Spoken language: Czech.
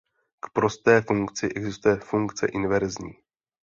K prosté funkci existuje funkce inverzní.